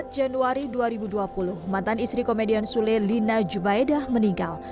empat januari dua ribu dua puluh mantan istri komedian sule lina jubaedah meninggal